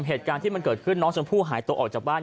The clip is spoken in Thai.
เหตุการณ์ที่มันเกิดขึ้นน้องชมพู่หายตัวออกจากบ้าน